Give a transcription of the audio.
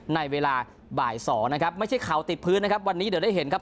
ในเวลาบ่าย๒นะครับไม่ใช่เข่าติดพื้นนะครับวันนี้เดี๋ยวได้เห็นครับ